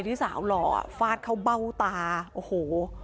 ที่สาวหล่อฟาดเข้าเบ้าตาโอ้โห